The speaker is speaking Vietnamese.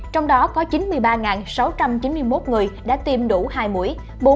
trong đó có chín mươi ba sáu trăm chín mươi một người đã tiêm đủ hai mũi